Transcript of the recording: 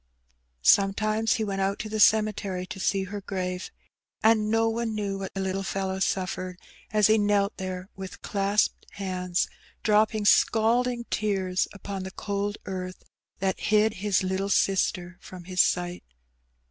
Sometimes he went out to the cemetery to see her grave; and no one knew what the little fellow suffered The Tide Tuens. 133 as he knelt there with clasped hands^ dropping scalding tears upon the cold earth that hid his little sister from his sight.